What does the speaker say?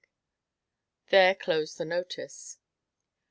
There closed the notice.